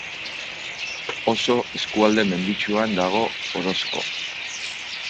Oso eskualde menditsuan dago Orozko.